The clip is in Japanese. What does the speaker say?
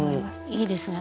いいですね